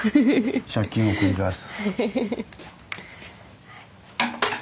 借金を繰り返す。